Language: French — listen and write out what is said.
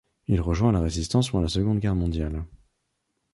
Il rejoint la Résistance pendant la Seconde Guerre mondiale.